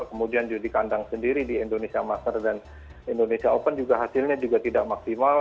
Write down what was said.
kemudian juga di kandang sendiri di indonesia master dan indonesia open juga hasilnya juga tidak maksimal